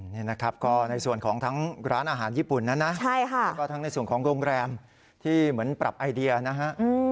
นี่นะครับก็ในส่วนของทั้งร้านอาหารญี่ปุ่นนั้นนะแล้วก็ทั้งในส่วนของโรงแรมที่เหมือนปรับไอเดียนะฮะ